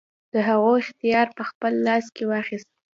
د هغو اختیار په خپل لاس کې واخیست.